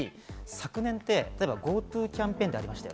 ただし、昨年ってＧｏＴｏキャンペーンがありました。